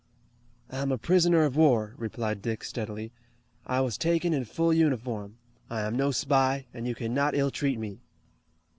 "I am a prisoner of war," replied Dick steadily. "I was taken in full uniform. I am no spy, and you cannot ill treat me."